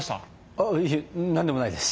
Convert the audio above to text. ああいえ何でもないです。